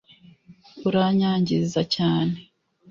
uranyangiza cyane.